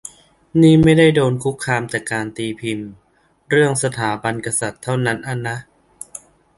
นี่ไม่ได้โดนคุกคามจากการตีพิมพ์เรื่องสถาบันกษัตริย์เท่านั้นอะนะ